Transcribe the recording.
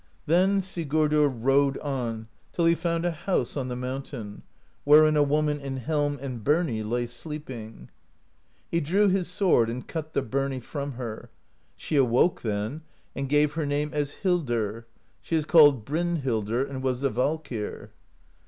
"Then Sigurdr rode on till he found a house on the mountain, wherein a woman in helm and birnie lay sleep ing. He drew his sword and cut the birnie from her: she THE POESY OF SKALDS 155 awoke then, and gave her name as Hildr : she is called Bryn hildr, and was a Valkyr.